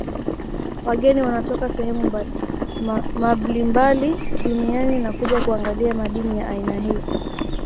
Wageni wanatoka sehemu mablimbali duniani na kuja kuangalia madini ya aina hii